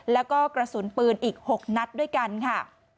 แล้วก็กระสุนปืนอีก๖นัดด้วยกันค่ะ